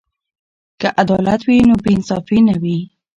که عدالت وي نو بې انصافي نه وي.